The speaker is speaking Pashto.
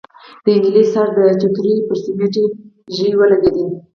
د نجلۍ سر د چوترې پر سميټي ژۍ ولګېد.